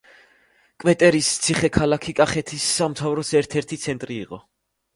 კვეტერის ციხე-ქალაქი კახეთის სამთავროს ერთ-ერთი ცენტრი იყო.